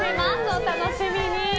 お楽しみに！